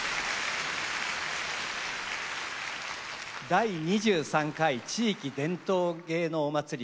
「第２３回地域伝統芸能まつり」